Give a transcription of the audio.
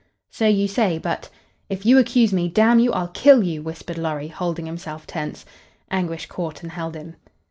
"So you say, but " "If you accuse me, damn you, I'll kill you!" whispered Lorry, holding himself tense. Anguish caught and held him.